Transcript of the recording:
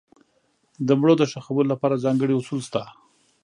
د مړو د ښخولو لپاره ځانګړي اصول شته.